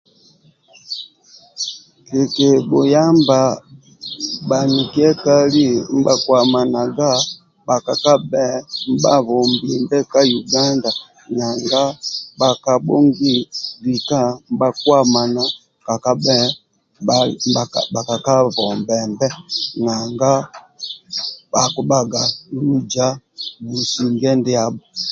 Kikibhuyamba bhanikiekali ndibha kuamanaga ka uganda nanga bhakabhongi lika nibhakiamana kakakabhe bhakaka bombembe nanga akibhaga luja businge ndiabho